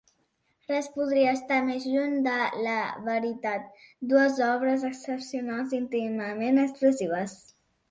Res podria estar més lluny de la veritat; dues obres excepcionals íntimament expressives.